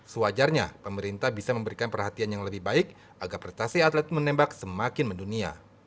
sewajarnya pemerintah bisa memberikan perhatian yang lebih baik agar prestasi atlet menembak semakin mendunia